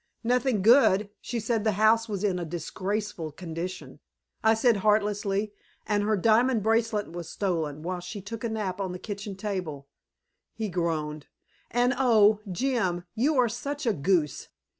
"Nothing good. She said the house was in a disgraceful condition," I said heartlessly. "And her diamond bracelet was stolen while she took a nap on the kitchen table" he groaned "and oh, Jim, you are such a goose!